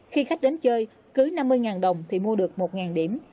khi khách đến chơi cứ năm mươi đồng thì mua được một điểm